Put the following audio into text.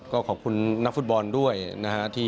ก็ขอบคุณนักฟุตบอลด้วยนะฮะ